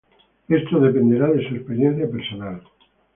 Esto dependerá de su experiencia personal.